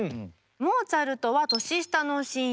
モーツァルトは年下の親友。